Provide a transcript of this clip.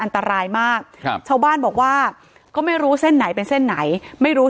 อันตรายมากครับชาวบ้านบอกว่าก็ไม่รู้เส้นไหนเป็นเส้นไหนไม่รู้